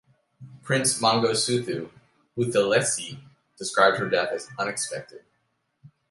Prince Mangosuthu Buthelezi described her death as "unexpected".